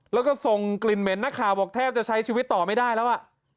แล้วก็ส่งกลิ่นเหม็นนักข่าวบอกแทบจะใช้ชีวิตต่อไม่ได้แล้วอ่ะ